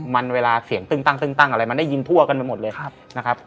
มันเวลาเสียงตึ้งตั้งอะไรมันได้ยินทั่วกันไปหมดเลยนะครับ